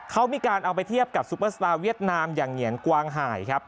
เขามีการเอาไปเทียบกับซุปเปอร์สตาร์เวียดนามอย่างเงียนกวางหายครับ